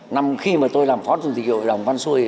năm khi mà tôi làm phó chủ tịch hội đồng văn xui